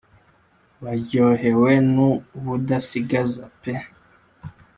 Baryohewe n' ubudasigaza pe